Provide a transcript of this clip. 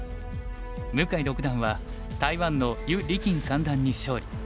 向井六段は台湾の兪俐均三段に勝利